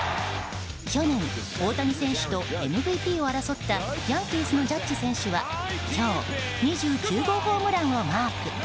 去年大谷選手とＭＶＰを争っていたヤンキースのジャッジ選手は今日２９号ホームランをマーク。